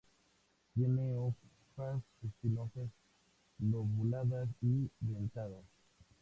Tiene hojas espinosas lobuladas y dentadas.